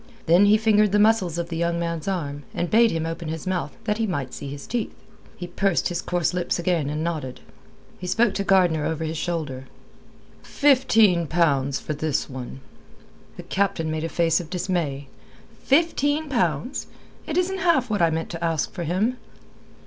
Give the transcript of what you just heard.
Then he fingered the muscles of the young man's arm, and bade him open his mouth that he might see his teeth. He pursed his coarse lips again and nodded. He spoke to Gardner over his shoulder. "Fifteen pounds for this one." The Captain made a face of dismay. "Fifteen pounds! It isn't half what I meant to ask for him."